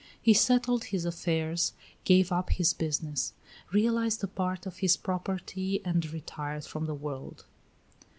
He settled his affairs, gave up his business, realized a part of his property and retired from the world.